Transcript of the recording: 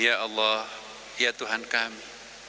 ya allah ya tuhan kami